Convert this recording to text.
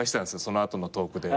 その後のトークで。